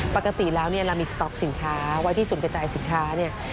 ปกติแล้วเรามีสต๊อปสินค้าไว้ที่ชุมกระจายสินค้า